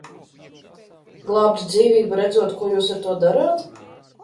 Glābt dzīvību redzot, ko jūs ar to darāt?